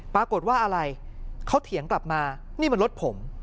ปรากฏว่าอะไรเขาเถียงกลับมานี่มันรถผม